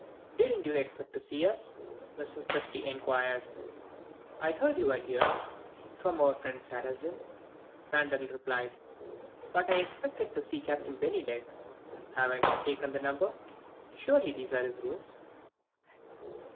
"Didn't you expect to see us?" Mrs. Presty inquired. "I heard you were here, from our friend Sarrazin," Randal said; "but I expected to see Captain Bennydeck. Have I mistaken the number? Surely these are his rooms?"